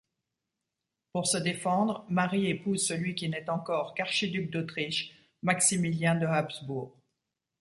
Pour se défendre, Marie épouse celui qui n'est encore qu'archiduc d'Autriche, Maximilien de Habsbourg.